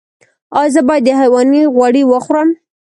ایا زه باید د حیواني غوړي وخورم؟